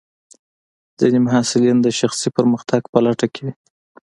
ځینې محصلین د شخصي پرمختګ په لټه کې وي.